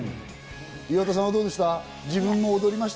岩田さんはどうでした？